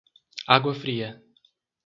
Água Fria